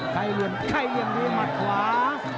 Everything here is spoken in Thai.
ใครเหยียบมีมัดขวา